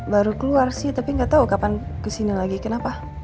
baru keluar sih tapi nggak tahu kapan kesini lagi kenapa